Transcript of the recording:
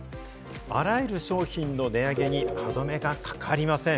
あらゆる商品の値上げに歯止めがかかりません。